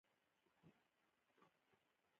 هغه په بشپړ ډول تر اغېز لاندې یې راځي